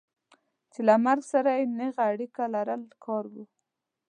چې له مرګ سره یې نېغه اړیکه لرل کار و.